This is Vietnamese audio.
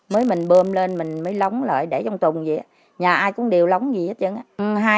mới mình bơm lên mình mới lóng lại để trong tùng vậy á nhà ai cũng đều lóng gì hết trơn á